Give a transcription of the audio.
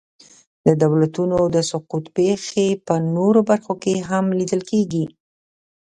د دولتونو د سقوط پېښې په نورو برخو کې هم لیدل کېږي.